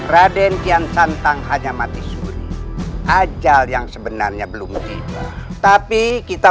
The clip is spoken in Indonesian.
raden kian santang hanya mati suri ajal yang sebenarnya belum tiba tapi kita